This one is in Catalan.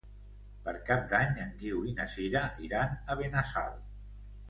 Per Cap d'Any en Guiu i na Sira iran a Benassal.